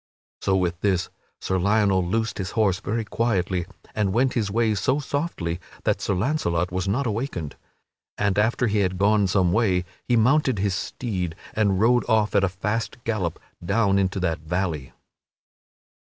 So, with this, Sir Lionel loosed his horse very quietly and went his way so softly that Sir Launcelot was not awakened. And after he had gone some way, he mounted his steed and rode off at a fast gallop down into that valley.